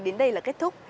đến đây là kết thúc